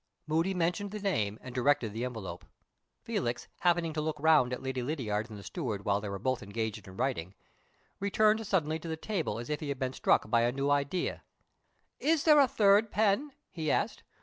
Moody mentioned the name and directed the envelope. Felix, happening to look round at Lady Lydiard and the steward while they were both engaged in writing, returned suddenly to the table as if he had been struck by a new idea. "Is there a third pen?" he asked.